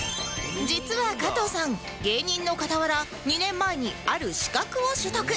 実は加藤さん芸人の傍ら２年前にある資格を取得